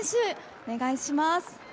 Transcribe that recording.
お願いします。